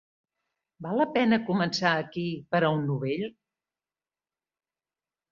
Val la pena començar aquí, per a un novell?